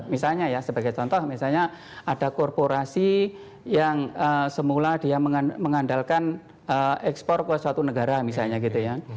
misalnya ya sebagai contoh misalnya ada korporasi yang semula dia mengandalkan ekspor ke suatu negara misalnya gitu ya